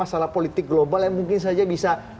masalah politik global yang mungkin saja bisa